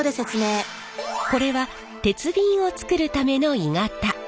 これは鉄瓶を作るための鋳型。